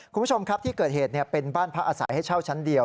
คุณผู้ชมครับที่เกิดเหตุเป็นบ้านพักอาศัยให้เช่าชั้นเดียว